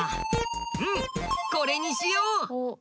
うんこれにしよう！